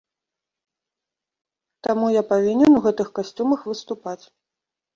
Таму я павінен у гэтых касцюмах выступаць.